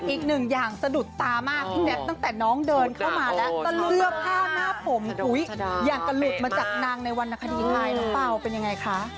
อีกหนึ่งอย่างสะดุดตามากพี่แจ๊คตั้งแต่น้องเดินเข้ามาแล้วก็เสื้อผ้าหน้าผมคุยอย่างกับหลุดมาจากนางในวรรณคดีไทยน้องเปล่าเป็นยังไงคะ